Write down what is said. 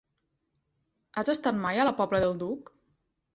Has estat mai a la Pobla del Duc?